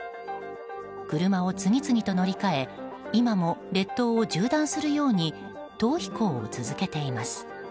車を次々と乗り換え今も列島を縦断するように逃避行を続けています。